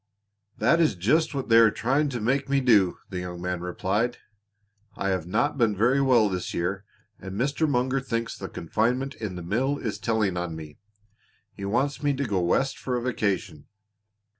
"That is just what they are trying to make me do," the young man replied, "I have not been very well this year and Mr. Munger thinks the confinement in the mill is telling on me. He wants me to go West for a vacation."